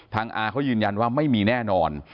อาเขายืนยันว่าไม่มีแน่นอน